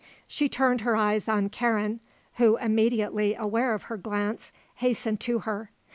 She turned her eyes on Karen, who, immediately aware of her glance, hastened to her.